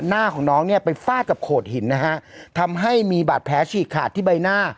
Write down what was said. หน้าของน้องเนี่ยไปฟาดกับโขดหินนะฮะทำให้มีบาดแผลฉีกขาดที่ใบหน้า